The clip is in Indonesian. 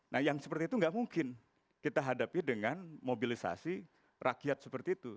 nah yang seperti itu nggak mungkin kita hadapi dengan mobilisasi rakyat seperti itu